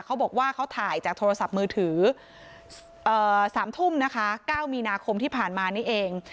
เขาบอกว่าเขาถ่ายจากโทรศัพท์มือถือ๓ทุ่มนะคะ๙มีนาคมที่ผ่านมานี่เอง